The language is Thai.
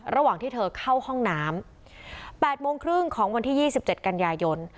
ระหว่างที่เธอเข้าห้องน้ำแปดโมงครึ่งของวันที่ยี่สิบเจ็ดกันยายน